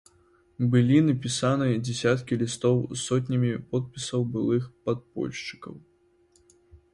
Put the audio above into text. Былі напісаны дзясяткі лістоў з сотнямі подпісаў былых падпольшчыкаў.